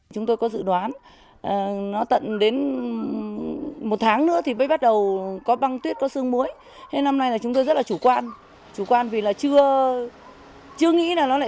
chúng tôi đã có chỉ đạo xuống các địa phương rồi các xã rồi